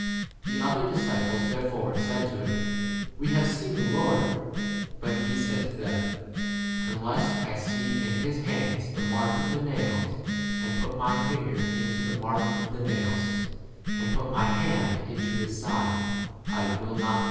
The other disciples therefore said to him, We have seen the Lord. But he said to them, Unless I see in his hands the mark of the nails, and put my finger into the mark of the nails, and put my hand into 26 his side, I will not believe.